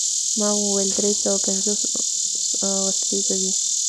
ما وویل: دری سوه پنځوس وسلې به وي.